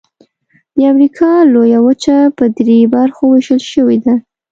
د امریکا لویه وچه په درې برخو ویشل شوې ده.